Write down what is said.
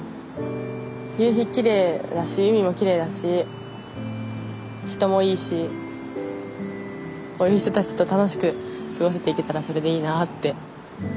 夕日きれいだし海もきれいだし人もいいしこういう人たちと楽しく過ごせていけたらそれでいいなって。